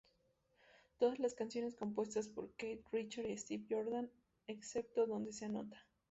Todas las canciones compuestas por Keith Richards y Steve Jordan excepto donde se anota.